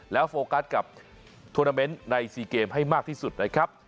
แล้วโฟกัสกับทวนาเมนต์ใน๔เกมให้มากที่สุดนะครับ